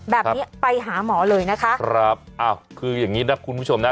แบบนี้ไปหาหมอเลยนะคะครับอ้าวคืออย่างงี้นะคุณผู้ชมนะ